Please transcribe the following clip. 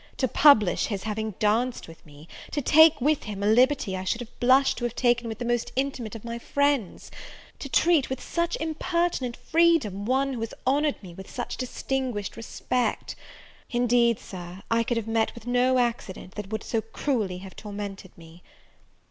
to publish his having danced with me! to take with him a liberty I should have blushed to have taken with the most intimate of my friends! to treat with such impertinent freedom, one who has honoured me with such distinguished respect! Indeed, Sir, I could have met with no accident that would so cruelly have tormented me!